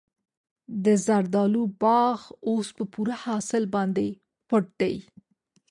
د زردالو باغ اوس په پوره حاصل باندې پټ دی.